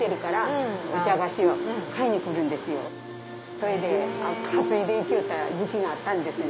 それで担いでいきよった時期があったんですよ。